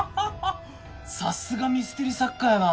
さすがミステリ作家やなあ。